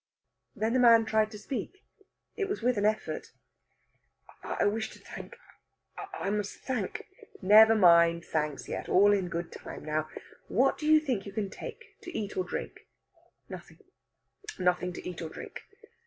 Then the man tried to speak; it was with an effort. "I wish to thank I must thank " "Never mind thanks yet. All in good time. Now, what do you think you can take to eat or drink?" "Nothing nothing to eat or drink."